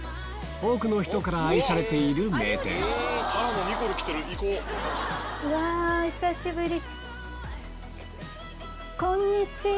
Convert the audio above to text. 多くの人から愛されている名店うわ久しぶり。